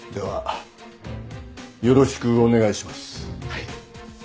はい